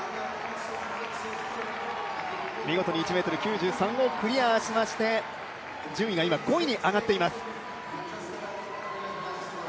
見事に１ｍ９３をクリアしまして順位が今、５位に上がっています。